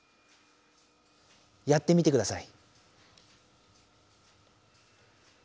やってみてください。